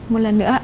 một lần nữa ạ